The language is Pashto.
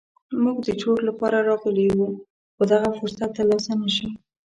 موږ د چور لپاره راغلي وو خو دغه فرصت تر لاسه نه شو.